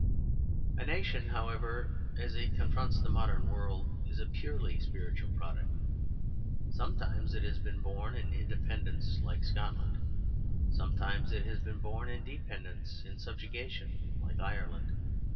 A nation, however, as it confronts the modern world, is a purely spiritual product. Sometimes it has been born in independence, like Scotland. Sometimes it has been born in dependence, in subjugation, like Ireland.